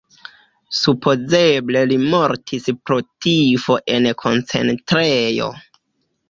Supozeble li mortis pro tifo en koncentrejo.